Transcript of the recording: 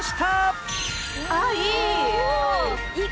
ああいい！